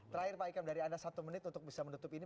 terakhir pak ikam dari anda satu menit untuk bisa menutup ini